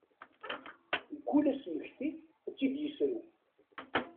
Mkul asemekti ad tt-id yesru.